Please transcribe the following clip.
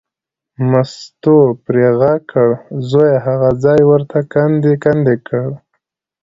مستو پرې غږ کړ، زویه هغه ځای یې ورته کندې کندې کړ.